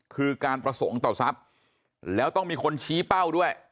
คือการประสงค์ต่อทรัพย์แล้วต้องมีคนชี้เป้าด้วย